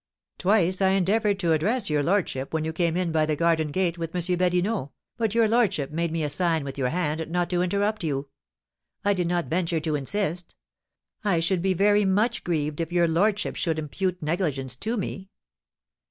"Twice I endeavoured to address your lordship when you came in by the garden gate with M. Badinot, but your lordship made me a sign with your hand not to interrupt you. I did not venture to insist. I should be very much grieved if your lordship should impute negligence to me."